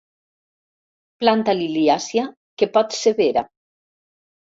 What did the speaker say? Planta liliàcia que pot ser vera.